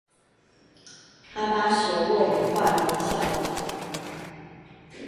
阿巴舍沃文化影响了。